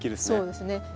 そうですね。